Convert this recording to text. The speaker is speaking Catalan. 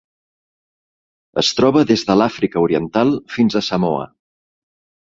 Es troba des de l'Àfrica Oriental fins a Samoa.